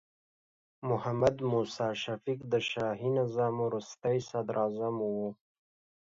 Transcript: محمد موسی شفیق د شاهي نظام وروستې صدراعظم و.